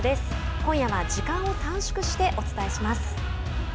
今夜は時間を短縮してお伝えします。